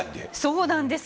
そうなんです。